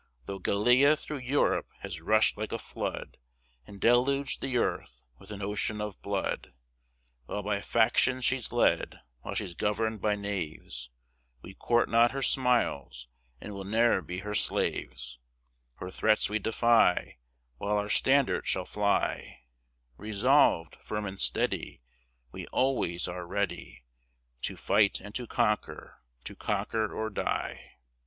Tho' Gallia through Europe has rushed like a flood, And deluged the earth with an ocean of blood: While by faction she's led, while she's governed by knaves, We court not her smiles, and will ne'er be her slaves; Her threats we defy, While our standard shall fly, Resolved, firm, and steady, We always are ready To fight, and to conquer, to conquer or die.